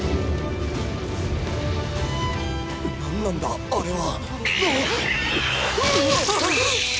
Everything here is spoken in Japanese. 何なんだあれは⁉うわっ！